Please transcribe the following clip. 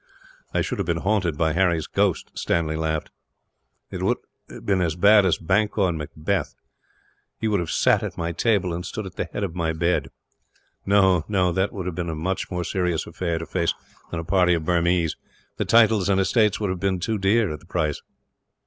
"I should have been haunted by Harry's ghost," Stanley laughed. "It would have been as bad as Banquo and Macbeth; he would have sat at my table, and stood at the head of my bed. No, no; that would have been a much more serious affair, to face, than a party of Burmese. The title and estates would have been too dear, at the price."